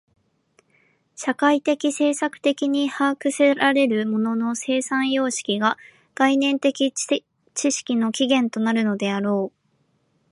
社会的制作的に把握せられる物の生産様式が概念的知識の起源となるのであろう。